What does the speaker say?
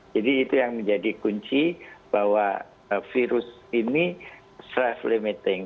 jadi itu yang menjadi kunci bahwa virus ini self limiting